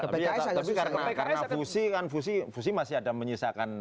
tapi karena fusi kan fusi masih ada menyisakan